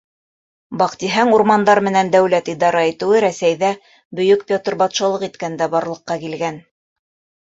Баҡтиһәң, урмандар менән дәүләт идара итеүе Рәсәйҙә Бөйөк Петр батшалыҡ иткәндә барлыҡҡа килгән.